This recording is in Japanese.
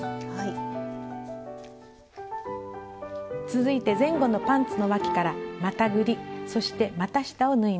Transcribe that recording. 続いて前後のパンツのわきからまたぐりそしてまた下を縫います。